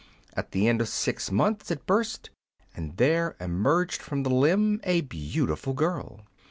At the end of six months it burst, and there emerged from the limb a beautiful girl.